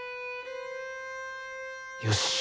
よし。